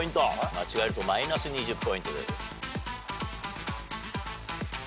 間違えるとマイナス２０ポイントです。